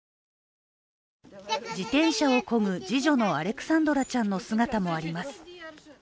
自転車をこぐ次女のアレクサンドラちゃんの姿もあります。